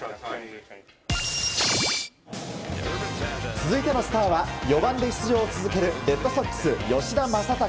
続いてのスターは４番で出場を続けるレッドソックス、吉田正尚。